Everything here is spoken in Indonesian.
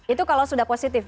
itu kalau sudah positif